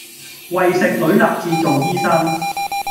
為食女立志做醫生